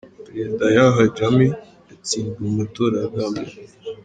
Perezida Yahya Jammeh yatsinzwe mu matora ya Gambia.